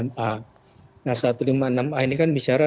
nah satu ratus lima puluh enam a ini kan bicara